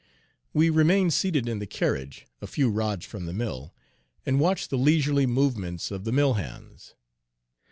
We remained seated in the carriage, a few rods from the mill, and watched the leisurely movements of the mill hands.